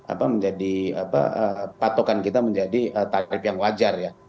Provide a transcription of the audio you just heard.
apa menjadi patokan kita menjadi tarif yang wajar ya